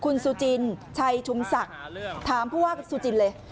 คุณซูจินชัยชุมศักดิ์ถามพวกซูจินเลย